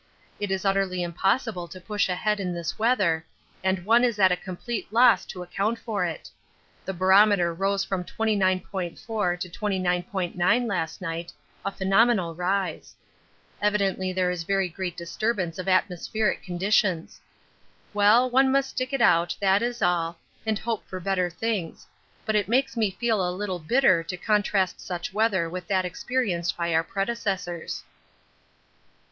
It is utterly impossible to push ahead in this weather, and one is at a complete loss to account for it. The barometer rose from 29.4 to 29.9 last night, a phenomenal rise. Evidently there is very great disturbance of atmospheric conditions. Well, one must stick it out, that is all, and hope for better things, but it makes me feel a little bitter to contrast such weather with that experienced by our predecessors.